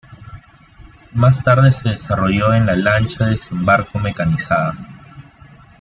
Más tarde se desarrolló en la lancha de desembarco mecanizada.